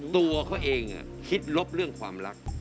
ตัวเขาเองคิดลบเรื่องความรัก